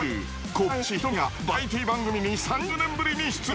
小林ひとみがバラエティ番組に３０年ぶりに出演！